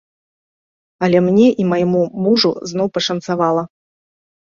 Але мне і майму мужу зноў пашанцавала.